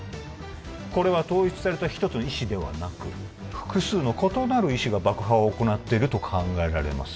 これは統一された一つの意志ではなく複数の異なる意志が爆破を行っていると考えられます